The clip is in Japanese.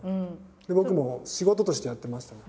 僕も仕事としてやってましたね